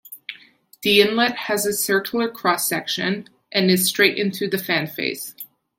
The inlet has a circular cross section, and is straight into the fan face.